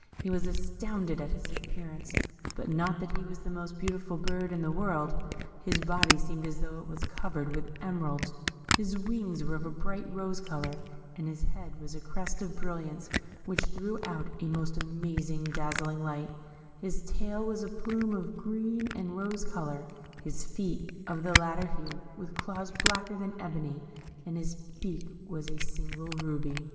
He was astounded at his appearance not but that he was the most beautiful bird in the world; his body seemed as though it was covered with emeralds, his wings were of a bright rose colour, and on his head was a crest of brilliants, which threw out a most dazzling light, his tail was a plume of green and rose colour, his feet, of the latter hue, with claws blacker than ebony, and his beak was a single ruby.